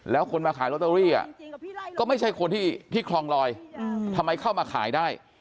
แล้วคนมาขายลอตเตอรี่ก็ไม่ใช่คนที่คลองลอยทำไมเข้ามาขายได้